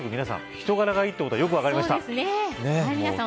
人柄がいいってことはよく分かりました皆さん